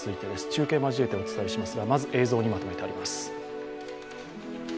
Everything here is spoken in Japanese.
中継を交えてお伝えしますが、まずは映像にまとめてあります。